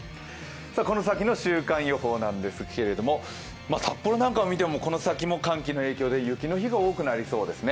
この先の週間予報なんですけれども札幌なんかを見てもこの先も寒気の影響で雪の日が多くなりそうです。